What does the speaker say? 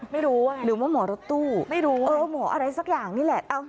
ไม่รู้ว่าอย่างนั้นไม่รู้หมออะไรสักอย่างนี่แหละเอ้า